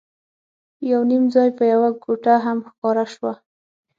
یو نیم ځای به یوه کوټه هم ښکاره شوه.